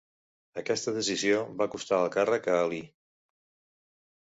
Aquesta decisió va costar el càrrec a Ali.